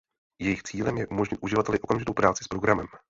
Jejich cílem je umožnit uživateli okamžitou práci s programem.